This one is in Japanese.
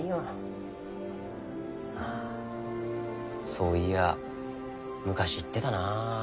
そういや昔言ってたな。